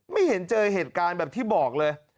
ไม่เห็นเจอเหตุการณ์แบบที่บอกเลย